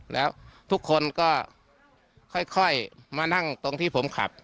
แล้วทุกคนก็ค่อยมานั่งตรงที่ผมขับ